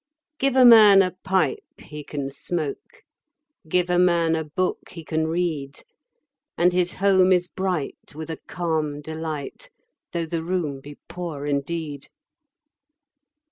Give a man a pipe he can smoke, 5 Give a man a book he can read: And his home is bright with a calm delight, Though the room be poor indeed.